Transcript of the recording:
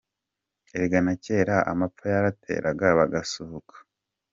Erega na kera amapfa yarateraga bagasuhuka